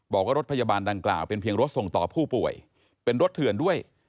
บอกว่ารถพยาบาลดังกล่าวเป็นเพียงรถส่งต่อผู้ป่วยเป็นรถเถื่อนด้วย